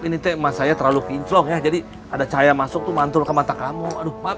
ini teh saya terlalu kinclong ya jadi ada cahaya masuk tuh mantul ke mata kamu aduh maaf